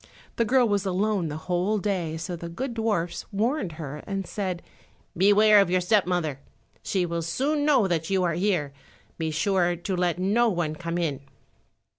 The girl was alone the whole day, so the good dwarfs warned her and said, "Beware of your step mother, she will soon know that you are here; be sure to let no one come in."